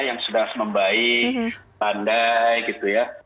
yang sudah sebaik pandai gitu ya